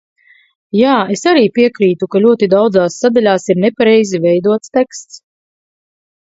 Jā, es arī piekrītu, ka ļoti daudzās sadaļās ir nepareizi veidots teksts.